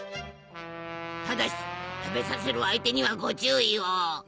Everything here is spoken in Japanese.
ただし食べさせる相手にはご注意を。